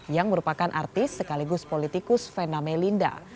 yang merupakan artis sekaligus politikus fename linda